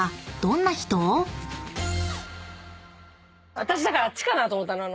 私だからあっちかなと思ったの。